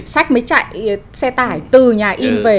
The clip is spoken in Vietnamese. sách mới chạy xe tải từ nhà in về